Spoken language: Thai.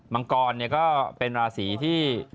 มังกรก็เป็นราศีที่